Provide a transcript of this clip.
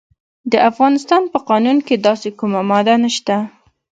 د افغانستان په قانون کې داسې کومه ماده نشته.